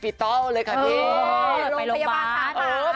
ไปโรงพยาบาลสะหนา